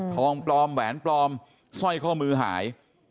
ทองปลอมแหวนปลอมสร้อยข้อมือหาย